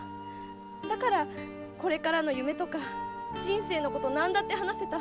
だからこれからの夢とか人生のこと何だって話せた。